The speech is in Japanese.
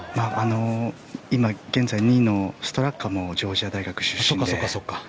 今現在２位のストラカもジョージア大学出身で。